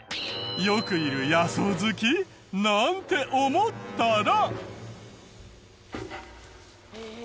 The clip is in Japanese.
よくいる野草好きなんて思ったら。